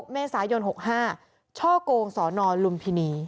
เมษายน๖๕ช่อกงสนลุมพินี